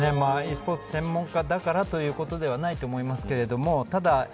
ｅスポーツ専門だからということではないと思いますけど。